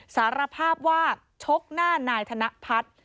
สารภาพว่าชกหน้านายธนพัฒน์